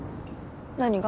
何が？